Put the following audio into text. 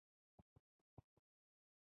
د مریتوب په سوداګرۍ کې د پرېمانه ګټې له امله.